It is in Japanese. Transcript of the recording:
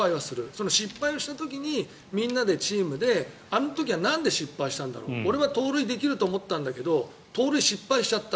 その失敗した時にみんなでチームであの時なんで失敗したんだろう盗塁できると思ったんだけど盗塁できなかった。